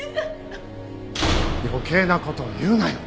余計な事言うなよ！